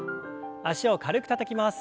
脚を軽くたたきます。